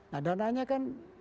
nah dananya kan